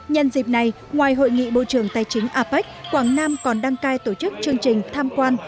nhân dịp này ngoài hội nghị bộ trưởng tài chính apec quảng nam còn đăng cai tổ chức chương trình tham quan